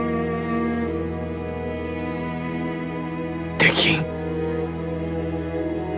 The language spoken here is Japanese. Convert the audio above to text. できん。